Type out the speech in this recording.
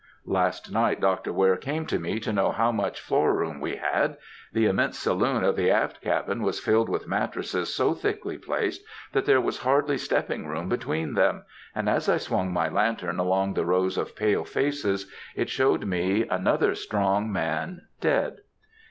"Last night Dr. Ware came to me to know how much floor room we had. The immense saloon of the aft cabin was filled with mattresses so thickly placed that there was hardly stepping room between them, and as I swung my lantern along the rows of pale faces, it showed me another strong man dead.